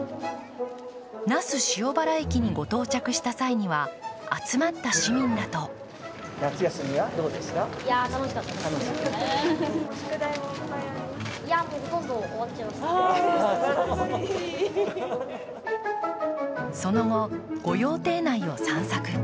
那須塩原駅にご到着した際には集まった市民らとその後、御用邸内を散策。